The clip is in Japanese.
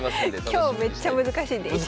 今日めっちゃ難しいです。